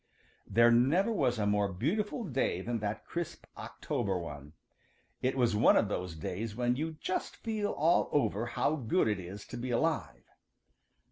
= |THERE never was a more beautiful day than that crisp October one. It was one of those days when you just feel all over how good it is to be alive.